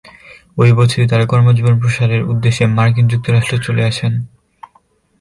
ঐ বছরই তারা কর্মজীবন প্রসারের উদ্দেশ্যে মার্কিন যুক্তরাষ্ট্রে চলে আসেন।